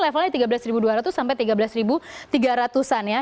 levelnya tiga belas dua ratus sampai tiga belas tiga ratus an ya